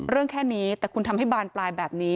แค่นี้แต่คุณทำให้บานปลายแบบนี้